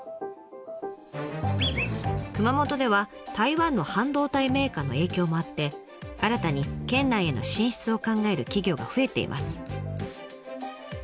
熊本では台湾の半導体メーカーの影響もあって新たに県内への進出を考える企業が増えています。